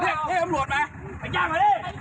เรียกเค้อำรวจมา